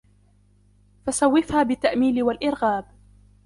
فَسَوِّفْهَا بِالتَّأْمِيلِ وَالْإِرْغَابِ